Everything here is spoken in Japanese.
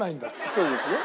そうですね。